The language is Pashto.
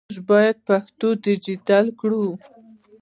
موږ باید پښتو ډیجیټل کړو